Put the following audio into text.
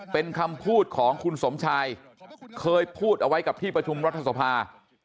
เป็นคำพูดของคุณสมชายเคยพูดเอาไว้กับที่ประชุมรัฐสภา